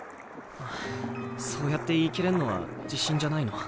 そうやって言い切れんのは自信じゃないの？